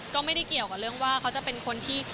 ก็ไม่ได้เกี่ยวกับเรื่องว่าเขาจะเป็นคนที่